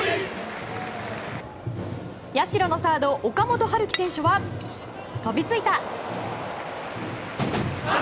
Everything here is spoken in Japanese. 社のサード、岡本遥輝選手は飛びついた！